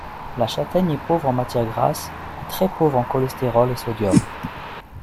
La châtaigne est pauvre en matière grasse et très pauvre en cholestérol et sodium.